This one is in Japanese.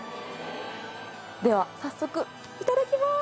では早速いただきまーす。